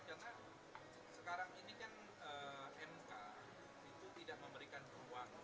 karena sekarang ini kan mk itu tidak memberikan keuangan